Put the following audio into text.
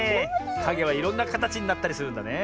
かげはいろんなかたちになったりするんだね。